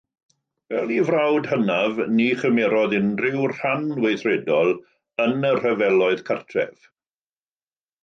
Fel ei frawd hynaf, ni chymerodd unrhyw ran weithredol yn y Rhyfeloedd Cartref.